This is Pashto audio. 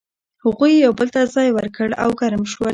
هغوی یو بل ته ځای ورکړ او ګرم شول.